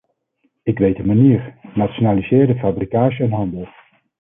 Ik weet een manier: nationaliseer de fabricage en handel.